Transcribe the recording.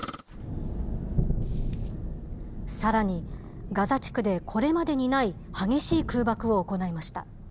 さらに、ガザ地区でこれまでにない激しい空爆を行いました。